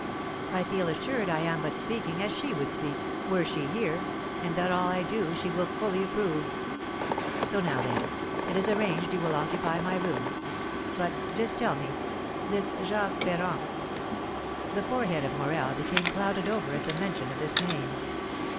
I feel assured I am but speaking as she would speak, were she here, and that all I do she will fully approve. So now, then, it is arranged you will occupy my room. But, just tell me, this Jacques Ferrand " The forehead of Morel became clouded over at the mention of this name.